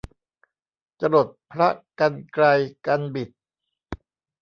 จรดพระกรรไกรกรรบิด